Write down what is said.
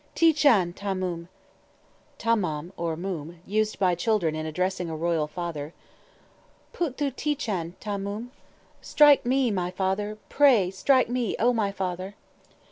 _Ti chan, Tha Moom! [Footnote: Tha Mom or Moom, used by children in addressing a royal father.] Poot thoo ti chan, Tha Mom!_ ("Strike me, my father! Pray, strike me, O my father!")